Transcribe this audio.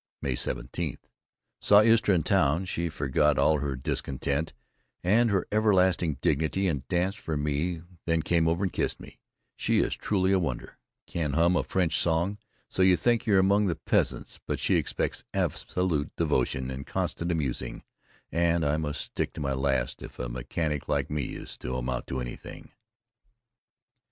May 17: Saw Istra in town, she forgot all her discontent and her everlasting dignity and danced for me then came over and kissed me, she is truly a wonder, can hum a French song so you think you're among the peasants, but she expects absolute devotion and constant amusing and I must stick to my last if a mechanic like me is to amount to anything.